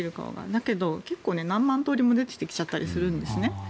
だけど結構、何万通りも出てきちゃったりするんですね。